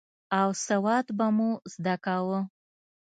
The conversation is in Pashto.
او سواد به مو زده کاوه.